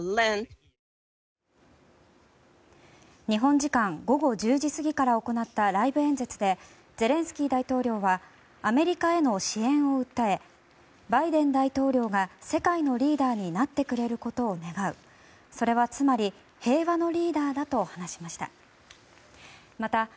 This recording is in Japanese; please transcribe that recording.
日本時間午後１０時過ぎから行ったライブ演説でゼレンスキー大統領はアメリカへの支援を訴えバイデン大統領が世界のリーダーになってくれることを願うそれはつまり平和のリーダーだと話しました。